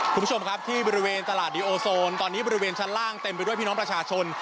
คุณผู้ชมครับที่บริเวณตลาดดีโอโซนตอนนี้บริเวณชั้นล่างเต็มไปด้วยพี่น้องประชาชน